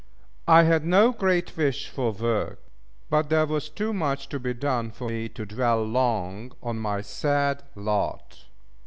I had no great wish for work: but there was too much to be done for me to dwell long on my sad lot.